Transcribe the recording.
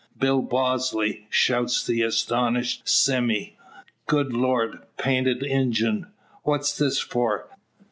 "Bill Bosley!" shouts the astonished Sime, "Good Lord! Painted Injun! What's this for?